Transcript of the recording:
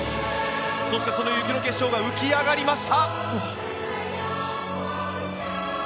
そしてその雪の結晶が浮き上がりました！